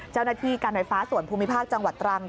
เจ้าหน้าที่การไฟฟ้าส่วนภูมิภาคจังหวัดตรัง